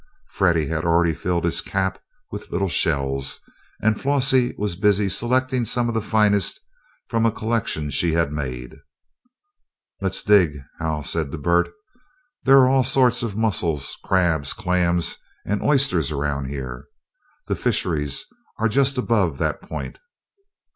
Freddie had already filled his cap with little shells, and Flossie was busy selecting some of the finest from a collection she had made. "Let's dig," said Hal to Bert. "There are all sorts of mussels, crabs, clams, and oysters around here. The fisheries are just above that point."